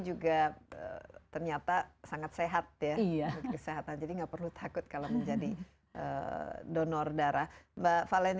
juga ternyata sangat sehat ya kesehatan jadi nggak perlu takut kalau menjadi donor darah mbak valen